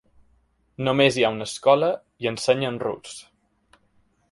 Només hi ha una escola i ensenya en rus.